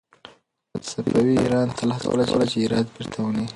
صفوي ایران تل هڅه کوله چې هرات بېرته ونيسي.